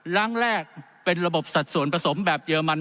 ล่างแรกเป็นระบบสัดส่วนประสงค์แบบเยอร์มัน